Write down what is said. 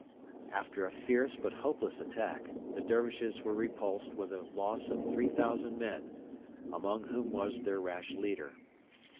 After a fierce but hopeless attack the Dervishes were repulsed with a loss of 3,000 men, among whom was their rash leader.